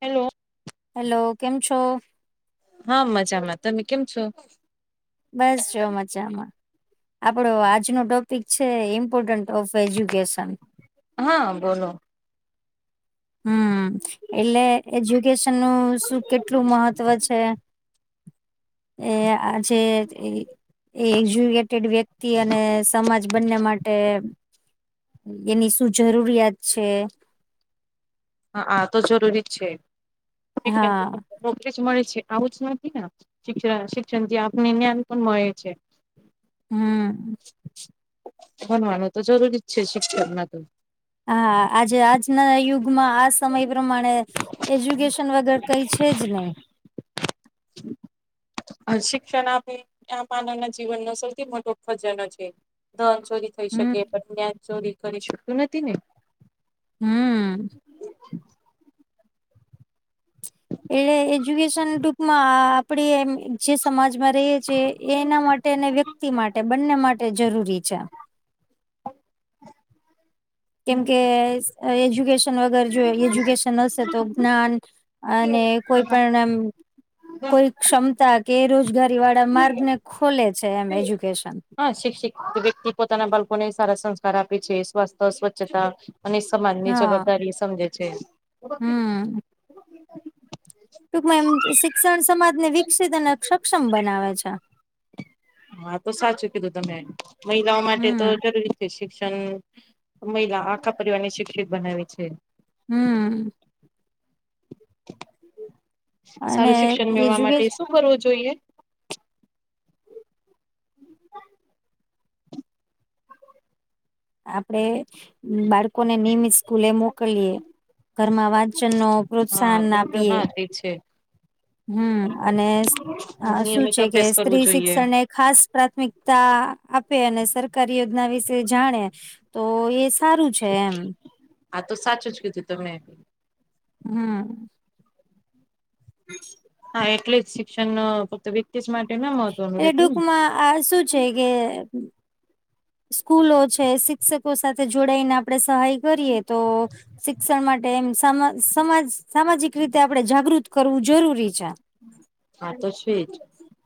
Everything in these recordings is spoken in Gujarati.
હેલો હેલો કેમ છો હા મજામાં તમે કેમ છો. બસ જો મજામાં. આપડો આજનો ટોપિક છે ઇમ્પોર્ટન્ટ ઓફ એજ્યુકેશન. હા બોલો હમ એટલે એજ્યુકેશન નું શું કેટલું મહત્વ છે એ આજે એ એ એજ્યુકેટેડ વ્યક્તિ અને સમાજ બંને માટે એની શું જરૂરિયાત છે હા આ તો જરૂરી છે હા નોકરી જ મળે છે આવું જ નથી ને શિક્ષ શિક્ષણ જે આપની નનપણ હોય છે હમ ભનવાનું તો જરૂરી જ છે શિક્ષક માં તો હા આજે આજના યુગમાં સમય પ્રમાણે એજ્યુકેશન વગર કઈ છે જ નહી શિક્ષણ આપે આ માનવના જીવનનો સૌથી મોટો ભજનો છે દન ચોરી થઈ હમ શકે પણ જ્ઞાન ચોરી કરી શક્યું નથી ને. હમ. એટલે એજ્યુકેશન ટૂંકમાં આપડી એમ જે સમાજમાં રહી છે એ એના માટે અને વ્યક્તિ માટે બંને માટે જરૂરી છે. કેમકે એજ્યુકેશન વગર જો એજ્યુકેશન હશે તો જ્ઞાન અને કોઈ પણમ કોઈ ક્ષમતા કે રોજગારી વાળા માર્ગને ખોલે છે એમ એજ્યુકેશન. હા શિક્ષિત વ્યક્તિ પોતાના બાળકોને સારા સંસ્કાર આપે છે સ્વાસ્થ સ્વચ્છતા અને સમાજ ની હા જવાબદારી સમજે છે. હમ ટૂંકમાં એમ શિક્ષણ સમાજને વિકસિત અને સક્ષમ બનાવે છે. હા તો સાચું કીધું તમે મહિલાઓ માટે તો હમ જરૂરી છે શિક્ષણ મહિલા આખા પરિવાર ને શિક્ષિત બનાવે છે. હમ અને સારું શિક્ષણ મેળવા એજ્યુકેશ માટે શું કરવું જોઈએ. આપડે બાળકોને નિયમિત સ્કૂલે મોકલીએ. ઘરમાં વાંચન નો પ્રોત્સાહન આપીએ. એ છે. હમ્મ, અને અ શું નિયમિત છે કે, અભ્યાસ કરવો સ્ત્રી જોઈએ શિક્ષણ એક ખાસ પ્રાથમિકતા આપે, અને સરકારી યોજના વિશે જાણે, તો એ હારું છે એમ. હા તો સાચું જ કીધું તમે. હમ હા એટલે જ શિક્ષણ ન ફક્ત વ્યક્તિસ માટે ના મહત્વનું રહેતું ને હ આ શું જ છે કે સ્કૂલો છે શિક્ષકો સાથે જોડાઈને આપણે સહાય કરીએ તો શિક્ષણ માટે એમ સમાજ સામાજિક રીતે આપણે જાગૃત કરવું જરૂરી છે. હા તો છેજ,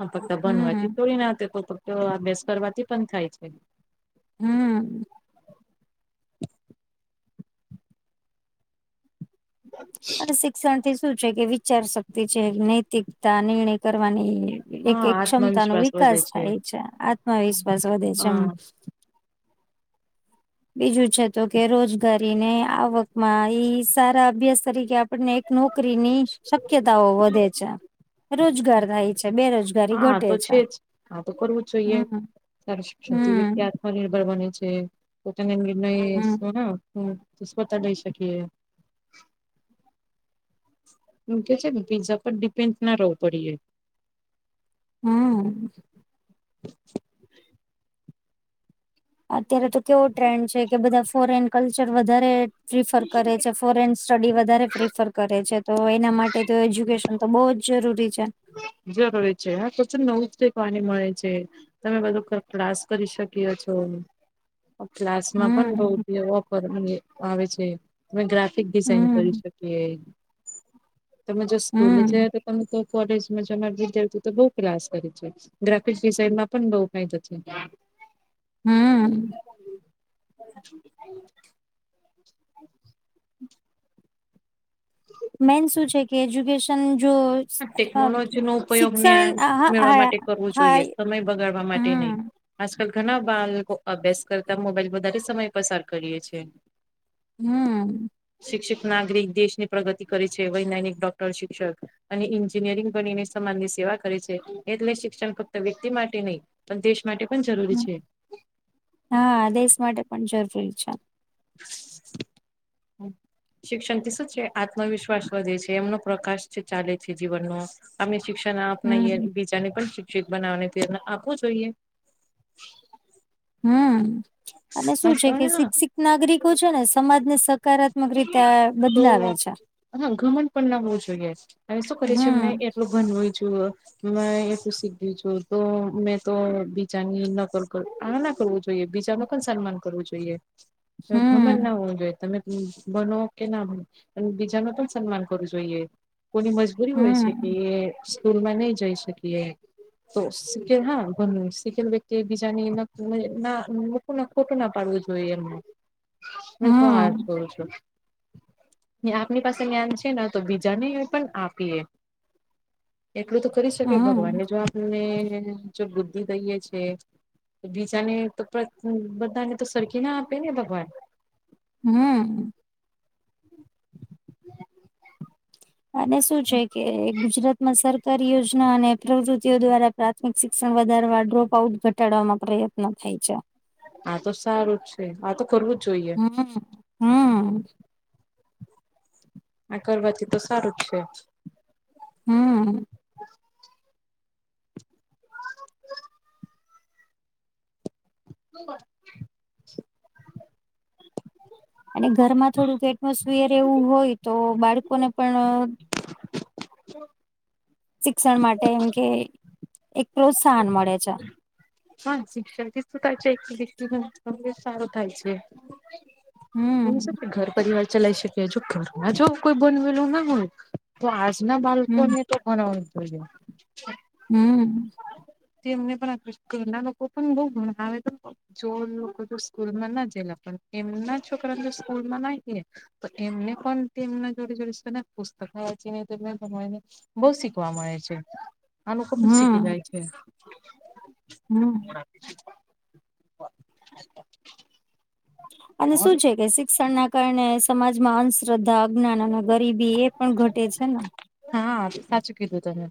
આ [unintelligible] તો હમ અભ્યાસ કરવાથી પણ થાય છે. હમ્મ [inaudible] અને શિક્ષણ થી શું છે કે, વિચાર શક્તિ છે, નૈતિકતા નિર્ણય કરવાની એક હા એક ક્ષમતા નો આત્મવિશ્વાસ વધે વિકાસ થાય છે, આત્મવિશ્વાસ વધે છે એમ. હા બીજું છે તો કે, રોજગારીને આવકમાં ઈ સારા અભ્યાસ તરીકે આપ પને એક નોકરીની શક્યતાઓ વધે છે. રોજગાર થાય છે, બે રોજગારી હા ઘટે તો છે. જ હા તો કરવું જોઈએ, હમ સારું શિક્ષણ થી હમ વિધાર્થ અ નિર્ભર બન્યું છે, પોતેને નિર્ણય હમ સોના સ્વતા લઈ શકીએ. એ કે છે બીઝા પર ડિપેન્ડ ન રહેવું પડીએ. હમ્મ [inaudible] અત્યારે તો કેવો ટ્રેન્ડ છે, કે બધા ફોરેન કલ્ચર વધારે પ્રિફર કરે છે. ફોરેન સ્ટડી વધારે પ્રેફર કરે છે, તો એના માટે તો એજ્યુકેશન તો બહુ જ જરૂરી છે. જરૂરી છે, હા તો છે નવું કઈ પાણી મળે છે. તમે બધું ક્કલાસ કરી શકી્યો છો. ક્લાસમાં પણ બઉ હમ બી ઓફર મને આવે છે. તમે ગ્રાફિક ડિઝાઇન કરી હમ શકીએ, તમે જો સ્કૂલે જ હમ તો તમે તે એકોડિસ મજમાતે જોઈતું તો બઉ ક્લાસ કરે છે, ગ્રાફિક્સ ડિઝઇનમાં પણ બઉ ફાયદો છે. હમ્મ [inaudible] [inaudible] મેન શું છે કે એજ્યુકેશ સન જો, આ ટેકનોલોજી નો ઉપયોગ શિક્ષણ જ્ઞાન મેળવા આહા માટે કરવો હા ઇ જોઈએ સમય બગાડવા માટે નહી. આજકાલ ઘણા બાલકો અભ્યાસ કરતા, મોબાઈલ વધારે સમય પસાર કરીએે છીયે. હમ્મ શિક્ષિત નાગરિક દેશની પ્રગતિ કરે છે, વૈજ્ઞાનિક, ડોક્ટર, શિક્ષક. અને એન્જિનિયરિંગ બનીને સમાનની સેવા કરે છે, એટલે શિક્ષણ ફક્ત વ્યક્તિ માટે નહીં, પણ દેશ માટે પણ જરૂરી છે. હા, દેશ માટે પણ જરૂરી છે. [inaudible] શિક્ષણથી શું છે, આત્મવિશ્વાસ વધે છે, એમનો પ્રકાશ છે ચાલે છે જીવનનો. અમે શિક્ષણ આપનાયે, હમ બીજાને પણ શિક્ષિત બનાવવાની પ્રેરણા આપવું જોઈએ. હમ્મ આમા શું છે કે શિક્ષિત નાગરિકો છે ને, સમાજને સકારાત્મક રીતે એ તો બદલાવે છે. હા ઘમંડ પણ ના હોવું જોઈએ, હવે શું કરે છે મે હમ એટલું ઘનવું જોએ મે એું શીખ્યું છું તો મેં તો બીજાની નકર કર આ ના કરવું જોઈએ બીજા ન સન્માન કરવું જોઈએ એ ઘમન હમ ના હોવું જોઈએ તમે હમ ભનો કે ના ભનો અને બીજા ન પણ સન્માન કરવું જોઈએ કોની મજબૂરી હોય છે કે હમ એ સ્કૂલમાં નઈ જઈ શકીએ તો શીખેલ હા, પણ સીખેલ વ્યક્તિ એક બીજાની ન નહ ના તો નેપટોપ ન આપવું જોઈએ, હું પણ આજ હમ કરું છું. ને આપની પાસે જ્ઞાન છે, ને તો બીજા નેઇ પણ આપીએે. એટલું તો કરી શકે હમ ભગવાનને જો આપ ને જો બુદ્ધિ દઈએ છે, તો બીજાને તો પર હમ્મ, બધાને તો સરખી ના આપે ને ભગવાન. હમ અને શું છે કે ગુજરાતમાં સર તર યોજના અને પ્રવૃતિઓ દ્વારા પ્રાથમિક શિક્ષણ વધારવા ડ્રોપ આઉટ ઘટાડવાવામાં પ્રયત્ન થાય છે આ તો સારું છે આ તો કરવું જ જોઈએ હમ હમ આ કરવાથી તો સારું જ છે હમ હ હ અને ઘરમાં થોડુંક એટમોસફિયર એવું હોય તો બાળકોને પણ હ શિક્ષણ માટે એમ કે એક પ્રોત્સાહન મળે છે હા શિક્ષાથીધ છે એક દ સારું થાય છે હું હમ છે ઘર પરિવાર ચલાવી શકી હજ ઘરમાં જો કોઈ બનવેલું ના હોય તો આજ ના હમ બાળકોને તો ઘણ હમ મને બરા ક કર ના નકો પનગો હાવવે દ જો લોકો તો સ્કૂલ માં ના જયેલા પણ એમના છોકરાને જો સ્કૂલમાં નાે તો એમને કો એમને જોડી જોડીશ ને પુસ્તક વાચી ન તો એને બઉ શીખવા મળે છે આ લોકો પણ શીખી હમ જાય છે હમ [inaudible] અને શું છે કે શિક્ષણ ના કારણે સમાજમાં અંધશ્રદ્ધા જ્ઞ ના ના ગરીબી એ પણ ઘટે છે ને હા સાચું કીધું તમે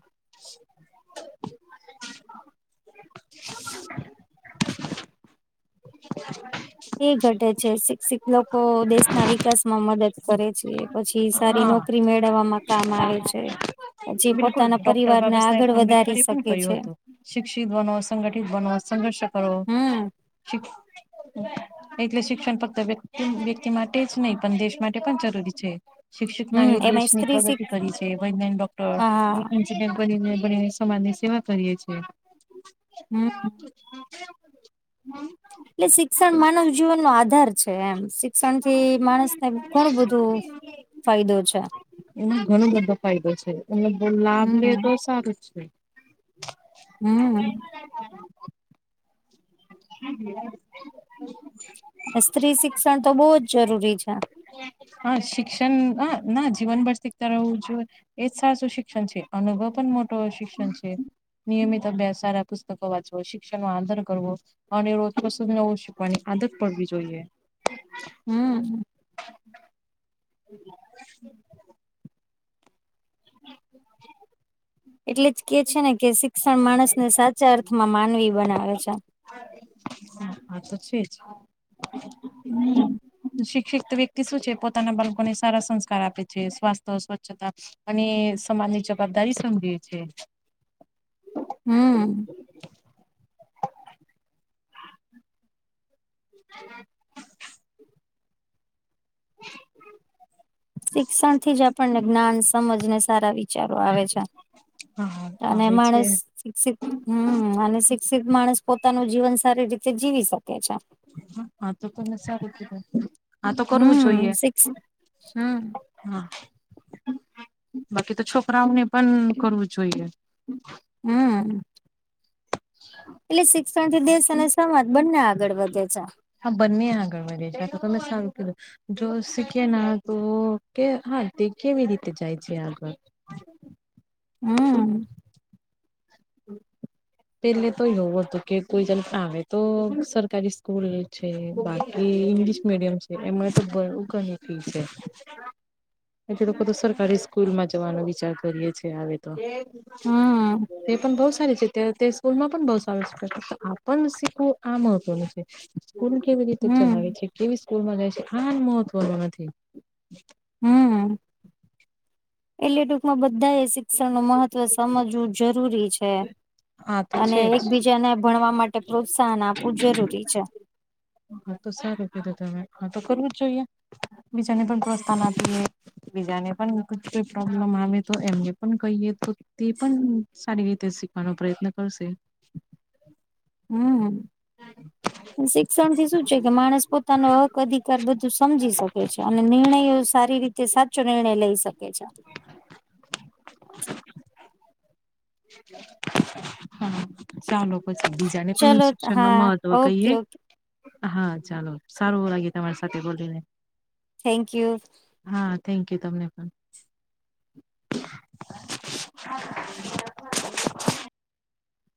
[inaudible] એ ઘટે છે શિક્ષિત લોકો દેશના વિકાસ માં મદદ કરે છે પછી સારી હા નોકરી મેળવવામાં કામ આવે છે પછી બિલકુલ પોતાના ડોક્ટર પરિવારને બાબા સાહેબ આગળ વધારી આંબેડકરે પણ શકે છે કહ્યું હતું શિક્ષિત બનો સંગઠિત બનો સંઘર્ષ કરો હમ શ એટલે શિક્ષણ ફક્ત વ્યક્તિ વ્યક્તિ માટે જ નહી પણ દેશ માટે પણ જરૂરી છે શિક્ષિત નાગરી હમ એમાં દેશની સ્ત્રી શિક પ્રગતિ કરી છે વૈજ્ઞાનિક હા ડોક્ટર કરીને બ સમાજ ની સેવા કરીએ છ છે હમ હ હમ એટલે શિક્ષણ માનવ જીવન નો આધાર છે એમ શિક્ષણથી માણસને ઘણું બધું ફાયદો છે એમાં ઘણો બધો ફાયદો છે એનો લાભ લે તો હમ સારો છે હમ હમ હમ સ્ત્રી શિક્ષણ તો બહુ જ જરૂરી છે. હા શિક્ષણ હ ના જીવન બડક તાર ઉ જો એજ સાચું શિક્ષણ છે અનુભવ પણ મોટો શિક્ષણ છે નિયમિત અભ્યાસ સારા પુસ્તકો વાંચવો શિક્ષણ નો આધાર કરવો અને રોજ કશું નવું શીખવાની આદત પડવી જોઈએ. હમ્મ. હમ્મ. [inaudible] એટલે જ કે છે ને કે શિક્ષણ માણસને સાચા અર્થમાં માનવી બનાવે છે. આ તો છે જ. હમ. શિક્ વ્યક્તિ શું છે પોતાના બાળકોને સારા સંસ્કાર આપે છે સ્વાસ્થ્ય, સ્વચ્છતા. અને સમાજની જવાબદારી સમજે છે. હમ્મ. [inaudible] શિક્ષણ થી જ આપણને જ્ઞાન, સમજ ને સારા વિ બચારો આવે છે હા અને આવે છે માણસ શિક્ષિત હમ અને શિક્ષિત માણસ પોતાનું જીવન સારી રીતે જીવી શકે છે. હા તો તને સારું કીધું હા તો કરવું હમ જોઈએ. શિક્ષ હમ હા બાકી તો છોકરાઓને પણ કરવું જોઈએ. હમ્મ. [inaudible] એટલે શિક્ષણ થી દેશ અને સમાજ બંને આગળ વધે છે. હા બંને આગળ વધે છે તો તમે. [unintelligible] જો શીખી ના તો કે હા તે કેવી રીતે જાય છે આગળ. હ. હમ્મ. હમ્મ. પેલે તો એવું હતું કે કોઈ જ આવે તો સરકારી સ્કૂલ છે બાર. એ ઇંગ્લિશ મીડિયમ છે એમાં તો બું ઘણી ફી છે. [inaudible] એ લોકો તો સરકારી સ્કૂલમાં જવાનો વિચાર કરીએે છે હવે તો. હમ તે પણ બહુ સારી છે. તે તે સ્કૂલ માં પણ બહુ સારુ શિખવે છે. આપણને શીખવું આ મહત્વનું છે. સ્કૂલ કેવી રીતે ચલાવે હમ છે કેવી સ્કૂલ માં જાય છે આન મહત્વનું નથી. હમ એટલે ટૂંકમાં બધા એ શિક્ષણ નું મહત્વ સમજવું. જરૂરી છે હા તો અને છે જ એકબીજાને ભણવા માટે પ્રોત્સા શાન આપવું જરૂરી છે. હા તો સારુ કીધું તમે હા તો કરવું જ જોઈએ બીજાને પણ પ્રોસ્થાન આપીએ. બીજાને પણ કુછ કુછ પ્રોબ્લમ આવે તો એમને પણ કહીએ તો. તે પણ સારી રીતે શીખવાનો પ્રયત્ન કરશે. હમ્મ. શિક્ષણથી શું છે કે માણસ પોતાનો હક અધિકાર બધું સમજી શકે છે અને નિર્ણયો સારી રીતે તે સાચો નિર્ણય લઈ શકે છે. હા ચાલો પછી બીજાને પણ ચલો શિક્ષણ નો હા મહત્વ ઓકે કહીયએ. ઓકે હા ચાલો સારું લાગ્યું તમારી સાથે બોલીને. Thank you. હા થેન્ક યુ તમને પણ.